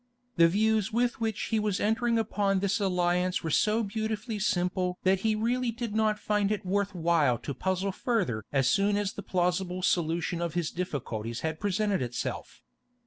The views with which he was entering upon this alliance were so beautifully simple that he really did not find it worth while to puzzle further as soon as the plausible solution of his difficulties had presented itself.